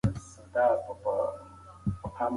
سام میرزا د خپل نیکه په وصیت ولیعهد وټاکل شو.